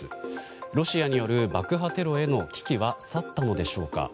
ロシアによる爆破テロへの危機は去ったのでしょうか。